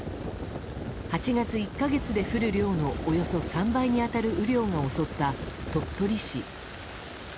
８月１か月で降る量のおよそ３倍に当たる雨量が襲った鳥取市。